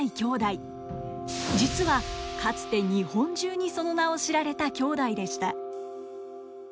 実はかつて日本中にその名を知られた兄弟でした。